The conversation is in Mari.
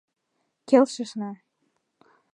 Келшышна.